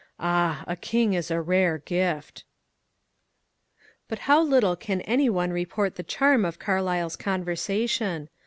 Ah, a king is a rare gift !" But how little can any one report the charm of Carlyle*s conversation!